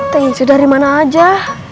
teh icu dari mana aja